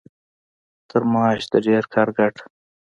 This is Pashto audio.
تر معاش د ډېر کار ګټه.